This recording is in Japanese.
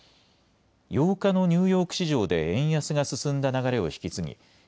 ８日のニューヨーク市場で円安が進んだ流れを引き継ぎ